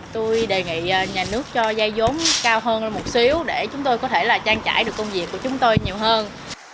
tôi đề nghị nhà nước cho dây giống cao hơn lên một xíu để chúng tôi có thể trang trải được công việc của chúng tôi nhiều hơn